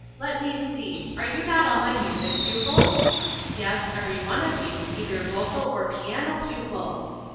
Let me see, are you not all my music pupils ? Yes, every one of you, either vocal or piano pupils.